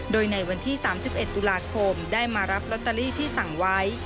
โดยในวันที่๓๑ตุลาคมได้มารับลอตเตอรี่ที่สั่งไว้